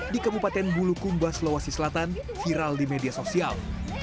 di kemupaten bulukumba selawasi selatan viral di media sosial